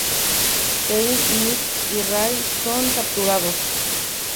Stein, Mick y Ray son capturados.